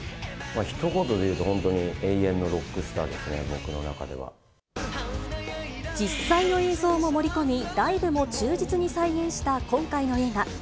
ひと言で言うと、本当に永遠のロックスターですね、僕の中では。実際の映像も盛り込み、ライブも忠実に再現した今回の映画。